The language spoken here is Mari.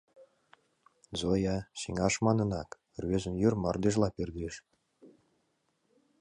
Зоя, сеҥаш манынак, рвезын йыр мардежла пӧрдеш.